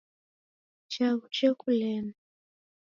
Chaghu chekulema.